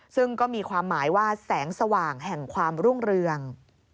ซึ่งก็มีความหมายว่าแสงสว่างแห่งความรุ่งเรือง